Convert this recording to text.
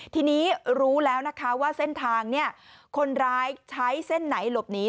ทีนี้รู้แล้วนะคะว่าเส้นทางคนร้ายใช้เส้นไหนหลบหนี